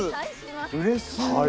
うれしい。